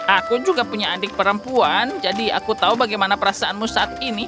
aku juga punya adik perempuan jadi aku tahu bagaimana perasaanmu saat ini